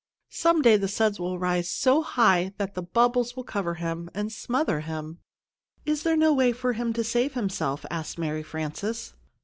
Some day the suds will rise so high that the bubbles will cover him and smother him." "Is there no way for him to save himself?" asked Mary Frances.